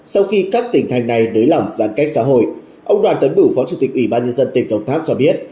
sau khi các tỉnh thành này nới lỏng giãn cách xã hội ông đoàn tấn bửu phó chủ tịch ủy ban nhân dân tỉnh đồng tháp cho biết